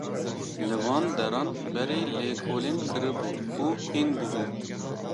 Li van deran berê lêkolîn kiribû û hîn bûbû.